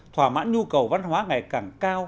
thỏa mãn nhu cầu văn hóa ngày càng cao